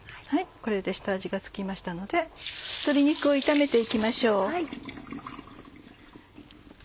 これで下味が付きましたので鶏肉を炒めて行きましょう。